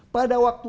pada waktu itu